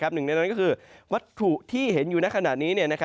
หนึ่งในนั้นก็คือวัตถุที่เห็นอยู่ในขณะนี้